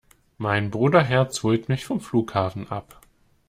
Mein Bruderherz holt mich vom Flughafen ab.